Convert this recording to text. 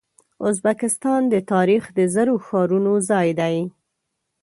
ازبکستان د تاریخ د زرو ښارونو ځای دی.